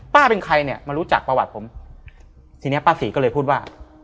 เป็นใครเนี่ยมารู้จักประวัติผมทีเนี้ยป้าศรีก็เลยพูดว่า